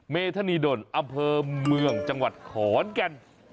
เมธนีดลอำเภอเมืองจังหวัดขอนแก่น